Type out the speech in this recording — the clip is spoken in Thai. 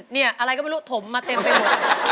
นี่อะไรก็ไม่รู้ถมมาเต็มไปหมด